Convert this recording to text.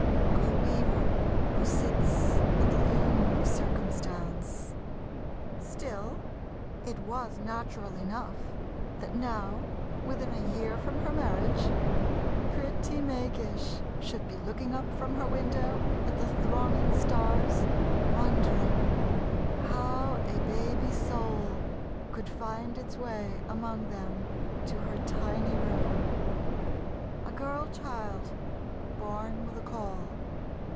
of a Weaver who sits at the Loom of Circumstance.... Still, it was natural enough that now, within a year from her marriage, pretty May Gish should be looking up from her window at the thronging stars, wondering how a baby soul could find its way among them to her tiny room. A girl child, born with a caul